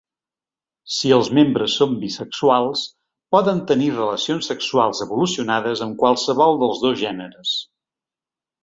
Si els membres són bisexuals, poden tenir relacions sexuals evolucionades amb qualsevol dels dos gèneres.